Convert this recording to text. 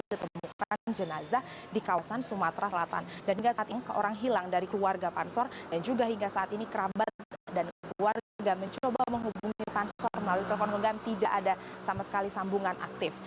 ditemukan jenazah di kawasan sumatera selatan dan hingga saat ini orang hilang dari keluarga pansor dan juga hingga saat ini kerabat dan keluarga mencoba menghubungi pansor melalui telepon genggam tidak ada sama sekali sambungan aktif